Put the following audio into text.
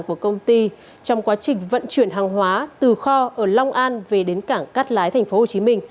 của công ty trong quá trình vận chuyển hàng hóa từ kho ở long an về đến cảng cát lái tp hcm